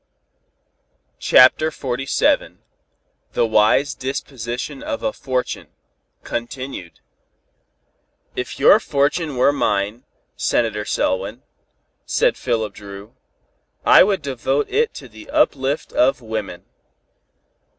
CHAPTER XLVII THE WISE DISPOSITION OF A FORTUNE, CONTINUED "If your fortune were mine, Senator Selwyn," said Philip Dru, "I would devote it to the uplift of women.